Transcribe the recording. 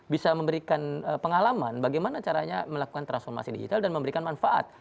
bisa memberikan pengalaman bagaimana caranya melakukan transformasi digital dan memberikan manfaat